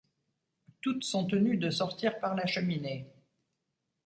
Toutes sont tenues de sortir par la cheminée.